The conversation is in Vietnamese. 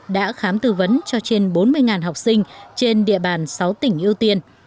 đã khám tư vấn cho trên bốn mươi học sinh trên địa bàn sáu tỉnh ưu tiên